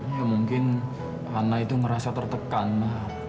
ya mungkin ana itu ngerasa tertekan pak